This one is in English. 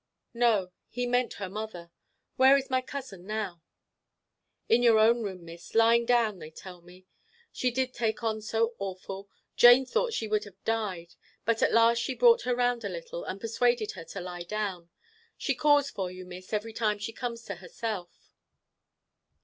"No. He meant her mother. Where is my cousin now?" "In your own room, Miss, lying down, they tell me. She did take on so awful, Jane thought she would have died. But at last she brought her round a little, and persuaded her to lie down. She calls for you, Miss, every time she comes to herself."